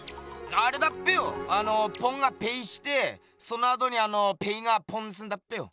あれだっぺよあのポンがペイしてそのあとにあのペイがポンすんだっぺよ。